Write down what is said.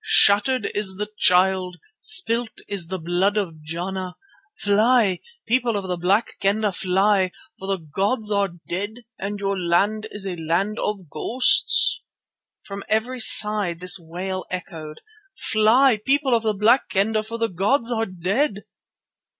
Shattered is the Child; spilt is the blood of Jana! Fly, People of the Black Kendah; fly, for the gods are dead and your land is a land of ghosts!" From every side was this wail echoed: "Fly, People of the Black Kendah, for the gods are dead!"